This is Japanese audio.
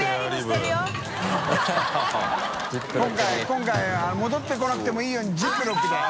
２鵑戻ってこなくてもいいようにジップロックだよ。